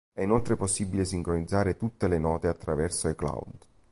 È inoltre possibile sincronizzare tutte le note attraverso iCloud.